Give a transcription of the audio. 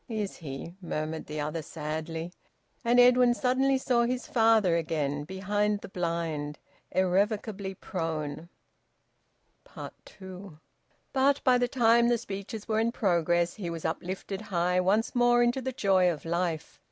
"Is he?" murmured the other sadly. And Edwin suddenly saw his father again behind the blind, irrevocably prone. TWO. But by the time the speeches were in progress he was uplifted high once more into the joy of life.